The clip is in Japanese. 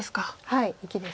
はい生きです。